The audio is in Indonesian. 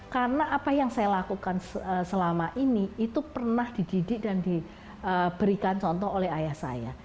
karena apa yang saya lakukan selama ini itu pernah dididik dan diberikan contoh oleh ayah saya